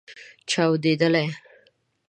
چاودیدلې